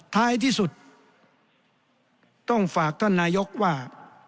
ท้ายที่สุดต้องฝากท่านนายกว่า